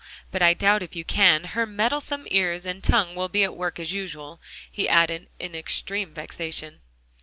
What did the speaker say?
But I doubt if you can; her meddlesome ears and tongue will be at work as usual," he added in extreme vexation.